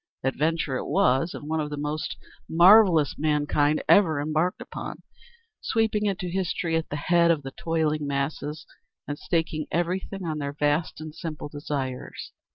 Adventure it was, and one of the most marvellous mankind ever embarked upon, sweeping into history at the head of the toiling masses, and staking everything on their vast and simple desires.